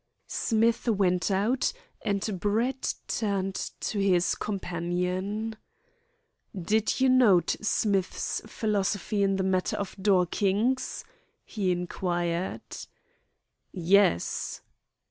'" Smith went out, and Brett turned to his companion: "Did you note Smith's philosophy in the matter of dorkings?" he inquired. "Yes."